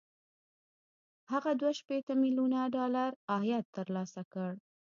هغه دوه شپېته ميليونه ډالر عاید ترلاسه کړ